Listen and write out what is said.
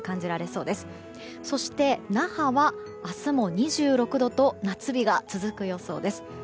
そして那覇は、明日も２６度と夏日が続く予想です。